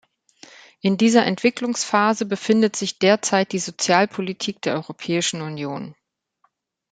In dieser Entwicklungsphase befindet sich derzeit die Sozialpolitik der Europäischen Union.